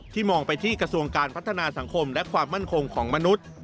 มองไปที่กระทรวงการพัฒนาสังคมและความมั่นคงของมนุษย์